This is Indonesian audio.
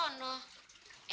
emangnya kerja bukan ibadah